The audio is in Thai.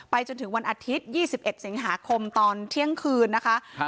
จนถึงวันอาทิตย์๒๑สิงหาคมตอนเที่ยงคืนนะคะ